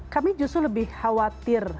kami justru lebih khawatir